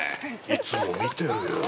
いつも見てるよ。